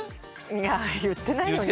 いや言ってないよね。